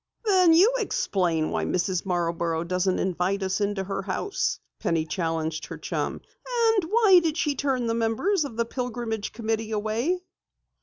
"Then you explain why Mrs. Marborough doesn't invite us into her house!" Penny challenged her chum. "And why did she turn the members of the Pilgrimage Committee away?"